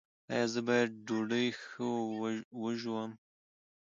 ایا زه باید ډوډۍ ښه وژووم؟